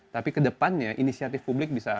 tapi kedepannya inisiatif publik bisa